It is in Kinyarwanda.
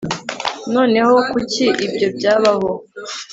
noneho, kuki ibyo byabaho